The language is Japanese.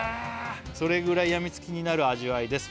「それぐらいやみつきになる味わいです」